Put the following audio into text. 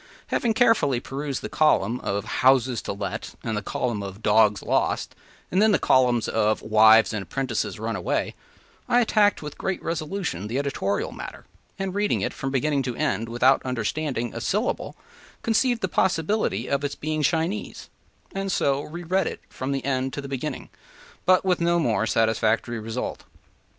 Having carefully perused the column of “houses to let,” and the column of “dogs lost,” and then the two columns of “wives and apprentices runaway,” I attacked with great resolution the editorial matter, and, reading it from beginning to end without understanding a syllable, conceived the possibility of its being Chinese, and so re read it from the end to the beginning, but with no more satisfactory result.